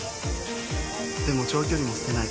でも長距離も捨てない。